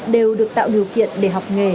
đều được tạo điều kiện để học nghề